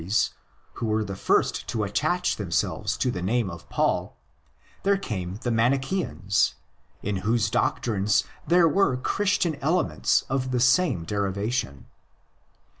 THE LATER HISTORY OF PAULINISM 55 who were the first to attach themselves to the name of Paul, there came the Manichsans, in whose doctrines there were Christian elements of the same derivation.